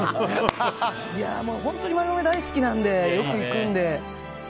本当に丸亀、大好きでよく行くので。